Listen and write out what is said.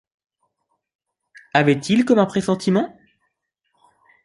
Avait-il comme un pressentiment ?